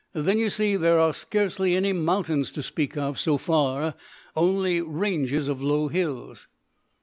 Then, you see, there are scarcely any mountains to speak of so far, only ranges of low hills."